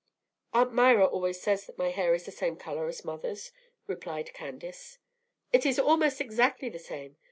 "Aunt Myra always says that my hair is the same color as mother's," replied Candace. "It is almost exactly the same.